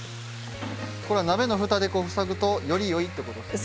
これは鍋のふたで塞ぐとよりよいってことですね。